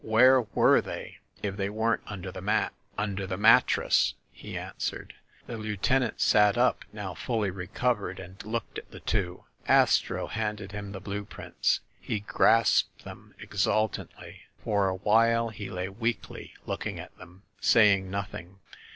"Where were they, if they weren't under the mat ?" "Under the mattress," he answered. The lieutenant sat up, now fully recovered, and looked at the two. Astro handed him the blue prints. He grasped them exultantly. For a while he lay weakly looking at them, saying nothing.